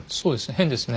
変ですね。